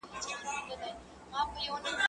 زه هره ورځ مکتب ته ځم!.